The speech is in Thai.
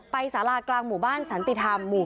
สารากลางหมู่บ้านสันติธรรมหมู่๔